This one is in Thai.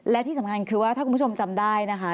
และที่สำคัญคือว่าถ้าคุณผู้ชมจำได้นะคะ